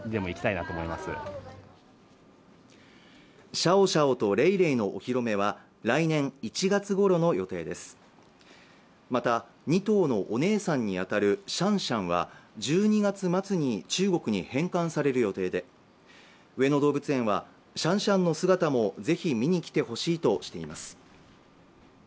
シャオシャオとレイレイのお披露目は来年１月頃の予定ですまた２頭のお姉さんにあたるシャンシャンは１２月末に中国に返還される予定で上野動物園はシャンシャンの姿もぜひ見に来てほしいとしています